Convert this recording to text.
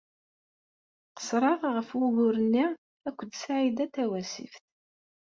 Qeṣṣreɣ ɣef wugur-nni akked Saɛida Tawasift.